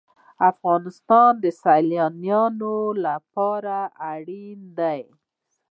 افغانستان د سیلاني ځایونو له پلوه اړیکې لري.